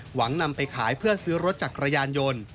นำไปขายเพื่อซื้อรถจักรยานยนต์